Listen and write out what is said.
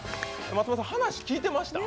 松本さん、話、聞いてました？